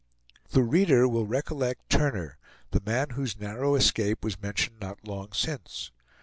The reader will recollect Turner, the man whose narrow escape was mentioned not long since.